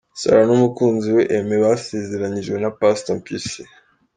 Sarah n'umukunzi we Aime basezeranyijwe na Pastor Mpyisi.